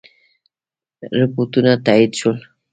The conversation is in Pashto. رپوټونه تایید شول.